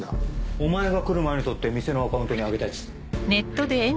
お前が来る前に撮って店のアカウントに上げたやつ。